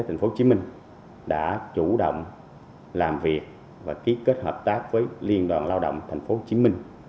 thành phố hồ chí minh đã chủ động làm việc và ký kết hợp tác với liên đoàn lao động thành phố hồ chí minh